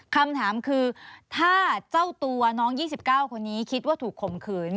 คำถามคือถ้าเจ้าตัวน้อง๒๙คนนี้คิดว่าถูกข่มขืน